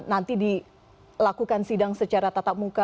nanti dilakukan sidang secara tatap muka